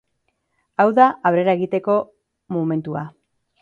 Hau da aurrera egiteko momentua.